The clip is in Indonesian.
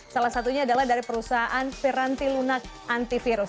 salah satunya adalah dari perusahaan firranti lunak antivirus